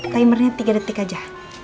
timernya tiga detik aja